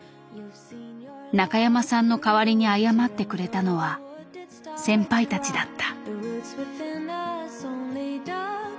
中山さんの代わりに謝ってくれたのは先輩たちだった。